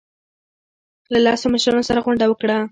له لسو مشرانو سره غونډه وکړه.